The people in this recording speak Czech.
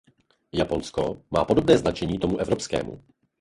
Japonsko má podobné značení tomu evropskému.